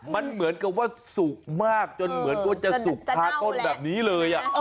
มันเหมือนกับว่าสุกมากจนเหมือนก็จะสุกคราบนี้เลยอะ